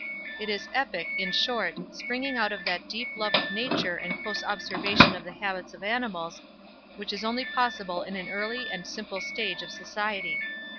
It is Epic, in short, springing out of that deep love of nature and close observation of the habits of animals which is only possible in an early and simple stage of society.